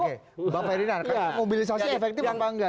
oke bang ferdinand mobilisasi efektif apa enggak